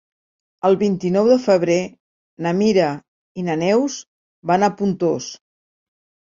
El vint-i-nou de febrer na Mira i na Neus van a Pontós.